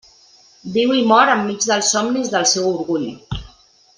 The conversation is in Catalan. Viu i mor enmig dels somnis del seu orgull.